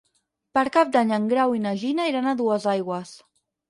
Per Cap d'Any en Grau i na Gina iran a Duesaigües.